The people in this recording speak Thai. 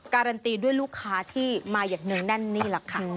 การันตีด้วยลูกค้าที่มาอย่างเนื่องแน่นนี่แหละค่ะ